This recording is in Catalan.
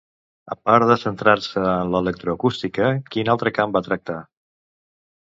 A part de centrar-se en l'electroacústica quin altre camp va tractar?